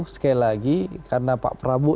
sekali lagi karena pak prabowo